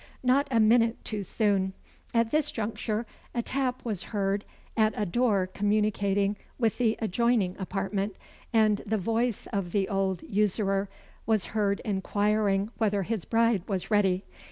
Not a minute too soon. At this juncture a tap was heard at a door communicating with the adjoining apartment, and the voice of the old usurer was heard inquiring whether his bride was ready.